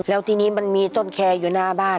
แล้วทีนี้มันมีต้นแคร์อยู่หน้าบ้าน